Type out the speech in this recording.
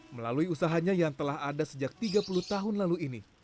melalui usahanya yang telah ada sejak tiga puluh tahun lalu ini